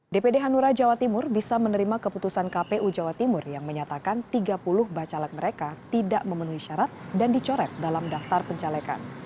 dpd hanura jawa timur bisa menerima keputusan kpu jawa timur yang menyatakan tiga puluh bacalek mereka tidak memenuhi syarat dan dicoret dalam daftar pencalekan